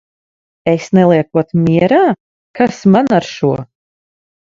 Es neliekot mierā? Kas man ar šo!